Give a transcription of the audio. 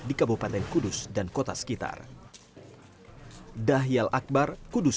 di kabupaten kudus dan kota sekitar